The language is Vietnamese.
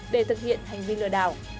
để thực hiện hành vi lừa đảo